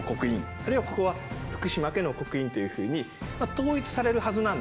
あるいはここは福島家の刻印というふうに統一されるはずなんですが。